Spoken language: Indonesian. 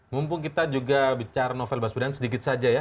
mumpung kita juga bicara novel baswedan sedikit saja ya